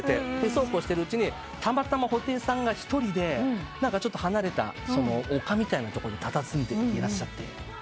そうこうしてるうちにたまたま布袋さんが一人でちょっと離れた丘みたいなところにたたずんでいらっしゃって。